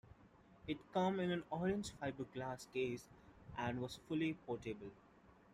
It came in an orange fiberglass case and was fully portable.